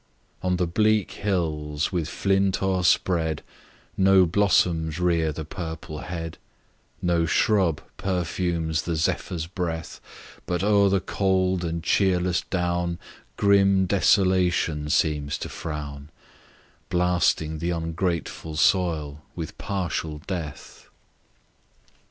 Page 61 On the bleak hills, with flint o'erspread, No blossoms rear the purple head; No shrub perfumes the zephyrs' breath, But o'er the cold and cheerless down Grim desolation seems to frown, Blasting the ungrateful soil with partial death.